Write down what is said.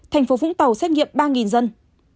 tp vũng tàu xét nghiệm ba dân